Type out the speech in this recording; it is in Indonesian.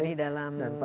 jadi dalam dua tahun ya